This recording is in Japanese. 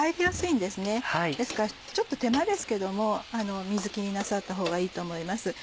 ですからちょっと手間ですけども水切りなさったほうがいいと思います。